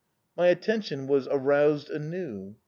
My attention was aroused anew.